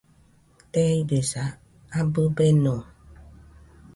Teidesa, abɨ beno